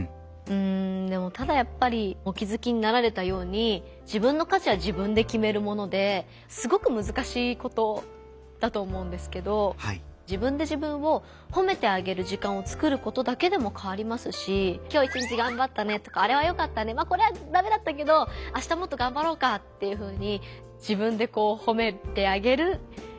うんただやっぱりお気づきになられたように自分の価値は自分できめるものですごくむずかしいことだと思うんですけど自分で自分をほめてあげる時間を作ることだけでも変わりますし「今日は一日がんばったね」とか「あれはよかったね」「これはダメだったけどあしたもっとがんばろうか」というふうに自分でほめてあげる。